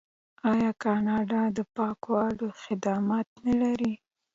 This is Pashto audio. آیا کاناډا د پاکولو خدمات نلري؟